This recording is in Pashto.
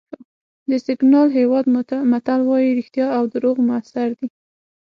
د سینیګال هېواد متل وایي رښتیا او دروغ موثر دي.